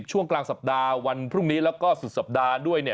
ช่วงกลางสัปดาห์วันพรุ่งนี้แล้วก็สุดสัปดาห์ด้วย